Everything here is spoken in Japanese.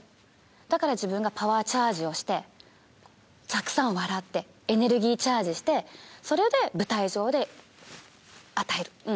だから自分がパワーチャージをしてたくさん笑ってエネルギーチャージしてそれで舞台上で与える。